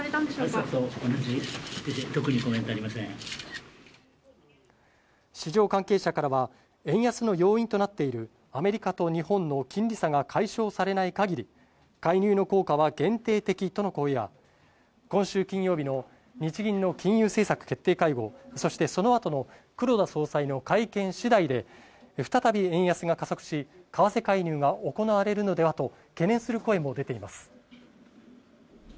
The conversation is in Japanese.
朝と同じ、市場関係者からは、円安の要因となっているアメリカと日本の金利差が解消されないかぎり、介入の効果は限定的との声や、今週金曜日の日銀の金融政策決定会合、そしてそのあとの黒田総裁の会見しだいで、再び円安が加速し、為替介入が行われるのではと懸念する声も出ています。